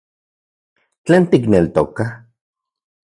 ¿Tlen tikneltoka...?